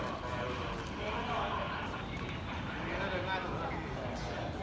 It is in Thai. อันที่สุดท้ายก็คือภาษาอันที่สุดท้าย